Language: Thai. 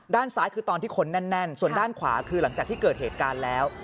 ด้านซ้ายคือตอนที่คนแน่นส่วนด้านขวาคือหลังจากที่เกิดเหตุการณ์แล้ว